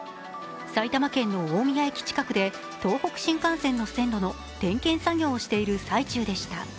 埼玉県の大宮駅近くで東北新幹線の線路の点検作業をしている最中でした。